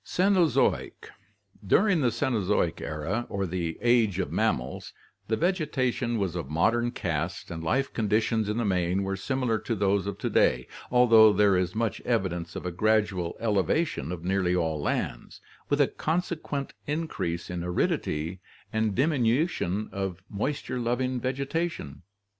Cenozoic During the Cenozoic era or the Age of Mammals, the vegetation was of modern cast and life conditions in the main were similar to those of to day, although there is much evidence of a gradual elevation of nearly all lands, with a consequent increase in aridity and diminution of moisture loving vegetation.